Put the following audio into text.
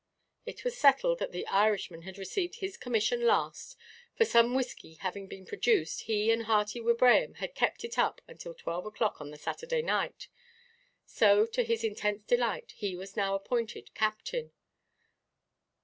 It was settled that the Irishman had received his commission last, for, some whisky having been produced, he and Hearty Wibraham had kept it up until twelve oʼclock on the Saturday night. So, to his intense delight, he was now appointed captain.